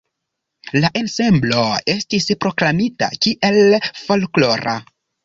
La ensemblo estis proklamita kiel folklora.